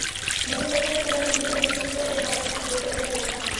নতুন বছরে পুরোনো ভুলে নতুন করে ভাবার কথা বলতে বলা হয়েছে আমাকে।